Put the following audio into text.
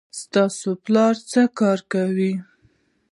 ستا پلار څه کار کوي